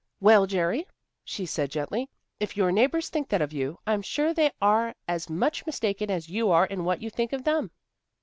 "Well, Jerry," she said gently, "if your neighbors think that of you, I'm sure they are as much mistaken as you are in what you think of them."